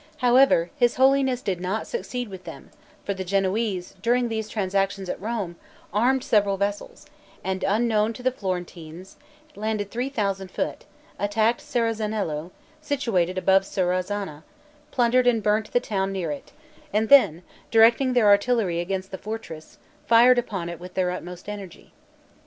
However, his holiness did not succeed with them; for the Genoese, during these transactions at Rome, armed several vessels, and, unknown to the Florentines, landed three thousand foot, attacked Serezanello, situated above Serezana, plundered and burnt the town near it, and then, directing their artillery against the fortress, fired upon it with their utmost energy.